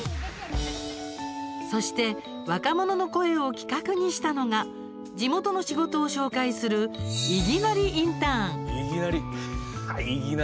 そして、若者の声を企画にしたのが地元の仕事を紹介する「いぎなりインターン」。